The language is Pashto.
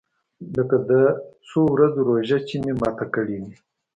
لکه د څو ورځو روژه چې مې ماته کړې وي.